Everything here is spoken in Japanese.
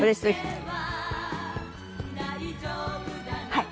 はい。